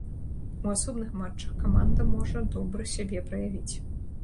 У асобных матчах каманда можа добра сябе праявіць.